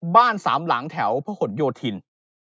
บ้านสามหลังแถวพระศ่วนโยทิน